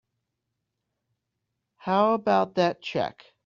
How about that check?